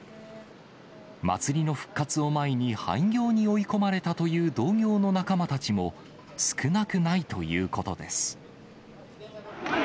祭りの復活を前に、廃業に追い込まれたという同業の仲間たちも少なくないということです。